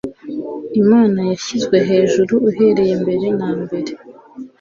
imana yashyizwe hejuru uhereye mbere na mbere